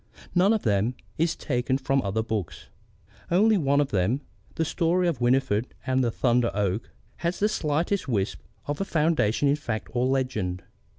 None of them is taken from other books. Only one of them the story of Winifried and the Thunder Oak has the slightest wisp of a foundation in fact or legend.